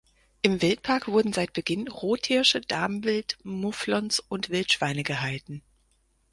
Im Wildpark wurden seit Beginn Rothirsche, Damwild, Mufflons und Wildschweine gehalten.